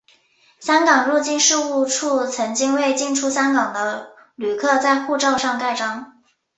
香港入境事务处曾经为进出香港的旅客在护照上盖章。